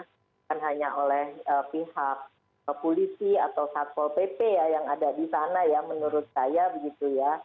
bukan hanya oleh pihak polisi atau satpol pp ya yang ada di sana ya menurut saya begitu ya